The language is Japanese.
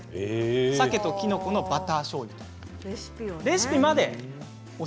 さけと、きのこのバターじょうゆ。